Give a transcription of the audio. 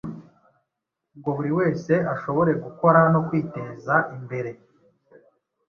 ngo buri wese ashobore gukora no kwiteza imbere